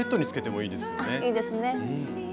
あいいですね。